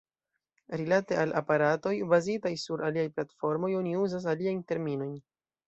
Rilate al aparatoj, bazitaj sur aliaj platformoj, oni uzas aliajn terminojn.